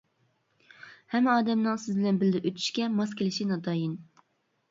ھەممە ئادەمنىڭ سىز بىلەن بىللە ئۆتۈشكە ماس كېلىشى ناتايىن.